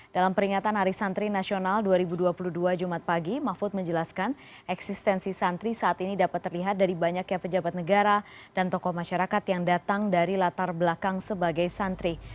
dalam peringatan hari santri nasional dua ribu dua puluh dua jumat pagi mahfud menjelaskan eksistensi santri saat ini dapat terlihat dari banyaknya pejabat negara dan tokoh masyarakat yang datang dari latar belakang sebagai santri